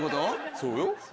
そうよ。